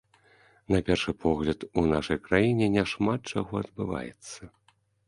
На першы погляд, у нашай краіне няшмат чаго адбываецца.